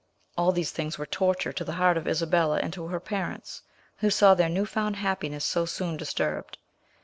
All these things were torture to the heart of Isabella and to her parents, who saw their new found happiness so soon disturbed.